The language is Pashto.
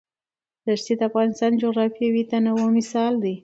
دښتې د افغانستان د جغرافیوي تنوع مثال دی.